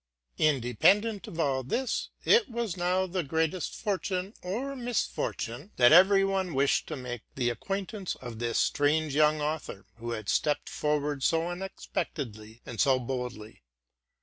Independently of all this, it was now the greatest fortune, or misfortune, that every one wished to make the acquaintance of this strange young author, who had stepped forward so unexpectedly and so boldly.